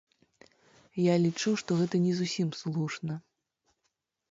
Я лічу, што гэта не зусім слушна.